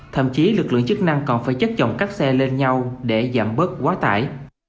thậm chí lực lượng chức năng còn phải chất chồng các xe lên nhau để giảm bớt quá tải